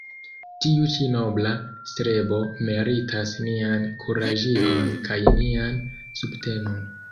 Tiu ĉi nobla strebo meritas nian kuraĝigon kaj nian subtenon.